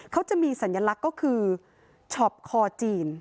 เขาจะมีสัญลักษณ์ก็คือช็อปคอจีน